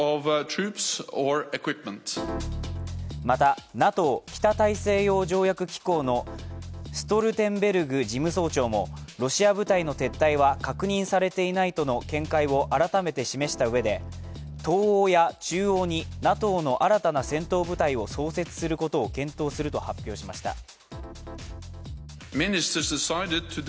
またＮＡＴＯ＝北大西洋条約機構のストルテンベルグ事務総長もロシア部隊の撤退は確認されていないとの見解を改めて示したうえで東欧や中欧にＮＡＴＯの新たな戦闘部隊を創設することを検討すると発表しました。